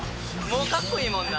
もう、かっこいいもんな。